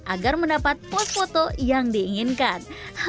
agar mendapat post foto yang diinginkan